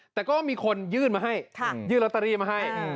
แต่ก็มีคนยื่นมาให้ยื่นลอตเตอรี่มาให้